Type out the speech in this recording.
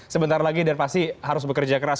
sebentar lagi dan pasti harus bekerja keras